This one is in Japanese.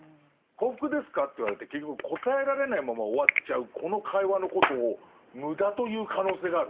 「幸福ですか？」って言われて結局答えられないまま終わっちゃうこの会話のことを無駄という可能性がある。